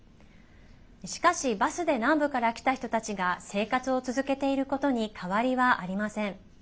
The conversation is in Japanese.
しかし、バスで南部から来た人たちが生活を続けていることに変わりはありません。